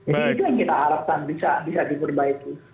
jadi itu yang kita harapkan bisa diperbaiki